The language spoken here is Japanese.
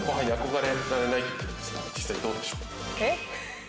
実際どうでしょう？